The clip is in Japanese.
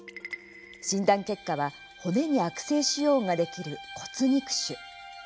診断結果は骨に悪性腫瘍ができる骨肉腫。